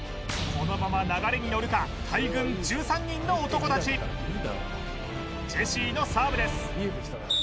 このまま流れにのるか大群１３人の男達ジェシーのサーブです